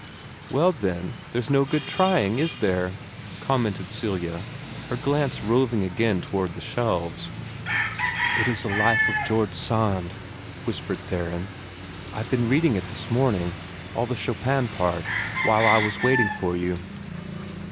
"Well, then, there's no good trying, IS there?" commented Celia, her glance roving again toward the shelves. "It is a life of George Sand," whispered Theron. "I've been reading it this morning all the Chopin part while I was waiting for you."